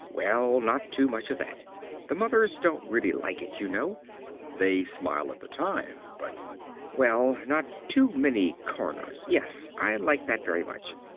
Well, not too much of that. The mothers don't really like it, you know. They smile at the time, but.... Well, not too many corners.... Yes, I like that very much.